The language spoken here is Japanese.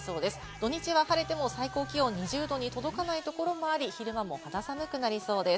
土日は晴れても最高気温２０℃に届かないところもあり、昼間も肌寒くなりそうです。